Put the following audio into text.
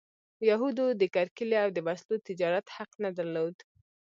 یهودو د کرکیلې او د وسلو تجارت حق نه درلود.